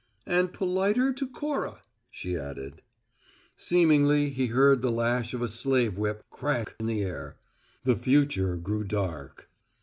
"And politer to Cora," she added. Seemingly he heard the lash of a slave whip crack in the air. The future grew dark.